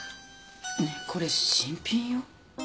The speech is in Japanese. ねえこれ新品よ。